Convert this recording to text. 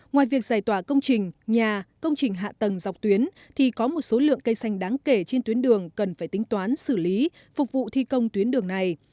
ngoài việc giải tỏa công trình nhà công trình hạ tầng dọc tuyến thì có một số lượng cây xanh đáng kể trên tuyến đường cần phải tính toán xử lý phục vụ thi công tuyến đường này